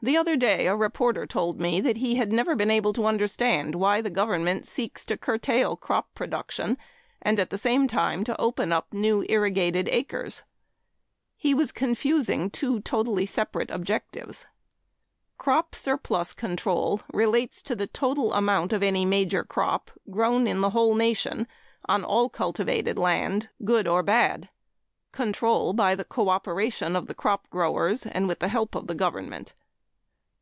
The other day a reporter told me that he had never been able to understand why the government seeks to curtail crop production and, at the same time, to open up new irrigated acres. He was confusing two totally separate objectives. Crop surplus control relates to the total amount of any major crop grown in the whole nation on all cultivated land good or bad control by the cooperation of the crop growers and with the help of the government.